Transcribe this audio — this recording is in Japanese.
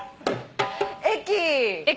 駅。